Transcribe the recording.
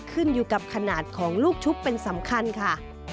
ขึ้นอยู่กับขนาดของลูกชุบเป็นสำคัญค่ะ